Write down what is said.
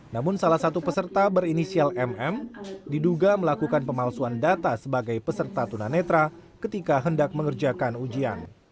namun salah satu peserta berinisial mm diduga melakukan pemalsuan data sebagai peserta tunanetra ketika hendak mengerjakan ujian